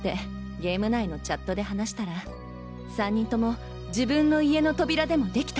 ゲーム内のチャットで話したら３人共「自分の家の扉でもできた！